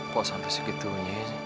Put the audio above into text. kok sampai segitunya